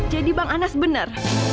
jadi bang anas benar